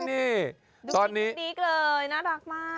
ดูจริงเลยน่ารักมาก